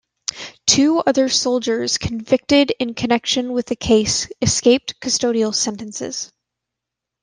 Two other soldiers convicted in connection with the case escaped custodial sentences.